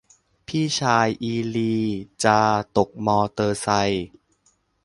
พี่ชายอีลีจาตกมอเตอร์ไซค์